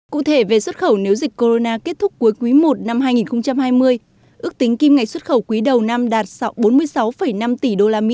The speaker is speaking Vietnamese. cụ thể về xuất khẩu nếu dịch corona kết thúc cuối quý i năm hai nghìn hai mươi ước tính kim ngạch xuất khẩu quý đầu năm đạt bốn mươi sáu năm tỷ usd